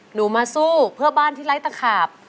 หนูมาสู้เพื่อบ้านที่ไร้ตะขาบ